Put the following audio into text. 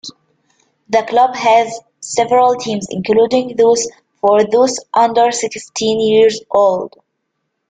The club has several teams including those for those under sixteen years old.